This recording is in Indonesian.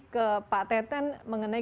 ke pak teten mengenai